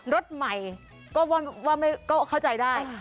รถใหม่ก็เข้าใจได้